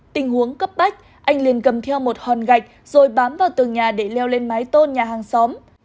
tình huống cấp bách anh liền cầm theo một hòn gạch rồi bám vào tường nhà để leo lên mái tôn nhà hàng xóm